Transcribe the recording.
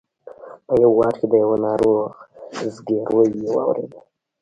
په یوه واټ کې د یوه ناروغ زګېروی یې واورېدل.